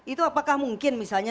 itu apakah mungkin misalnya